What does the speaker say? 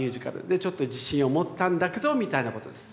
でちょっと自信を持ったんだけどみたいなことです。